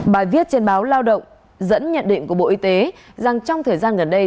bài viết trên báo lao động dẫn nhận định của bộ y tế rằng trong thời gian gần đây